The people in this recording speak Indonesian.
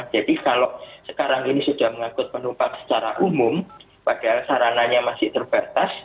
jadi kalau sekarang ini sudah mengangkut penumpang secara umum padahal sarananya masih terbatas